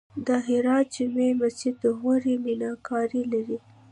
د هرات جمعې مسجد د غوري میناکاري لري